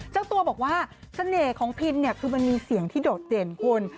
เจ้าตัวบอกว่าเสน่ห์ของพินเนี่ยคือมันมีเสียงที่โดดเด่นคุณ